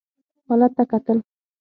حالت ته کتل.